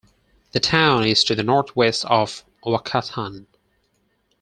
The town is to the north-west of Whakatane.